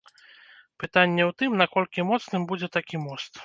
Пытанне ў тым, наколькі моцным будзе такі мост.